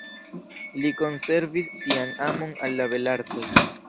Li konservis sian amon al la belartoj.